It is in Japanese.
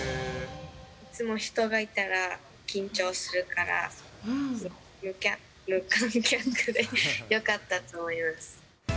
いつも人がいたら緊張するから、無観客でよかったと思います。